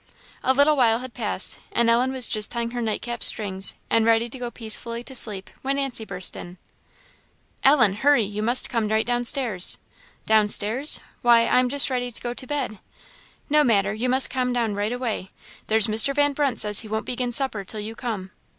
A little while had passed, and Ellen was just tying her nightcap strings, and ready to go peacefully to sleep, when Nancy burst in. "Ellen! Hurry! you must come right downstairs." "Downstairs! why, I am just ready to go to bed." "No matter you must come right away down. There's Mr. Van Brunt says he won't begin supper till you come."